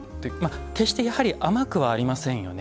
決して、甘くはありませんよね。